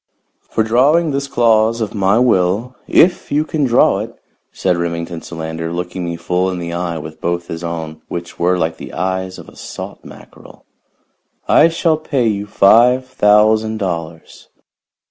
"For drawing this clause of my will, if you can draw it," said Remington Solander, looking me full in the eye with both his own, which were like the eyes of a salt mackerel, "I shall pay you five thousand dollars."